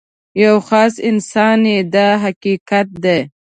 یو خاص انسان یې دا حقیقت دی.